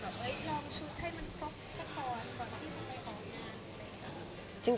ก่อนที่จะไปบอกงานอะไรอย่างนี้ค่ะ